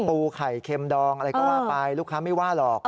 ปูไข่เค็มดองอะไรก็ว่าไปลูกค้าไม่ว่าหรอก